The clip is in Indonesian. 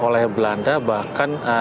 kota ini memang sebuah kota yang sangat berbeda